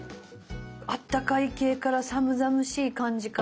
あったかい系から寒々しい感じから。